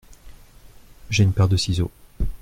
J’ai une paire de ciseaux.